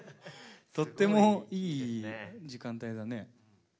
とってもいい時間帯だね。